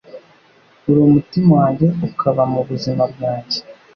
Ur' umutima wanjye ukaba mubuzima bwanjye,